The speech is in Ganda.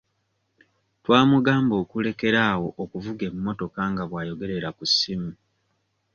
Twamugamba okulekera awo okuvuga emmotoka nga bw'ayogerera ku ssimu.